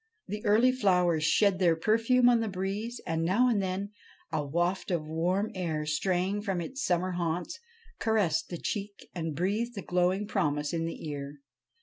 The early flowers shed their perfume on the breeze, and now and then a waft of warm air, straying from its summer haunts, caressed the cheek and breathed a glowing promise in the ear.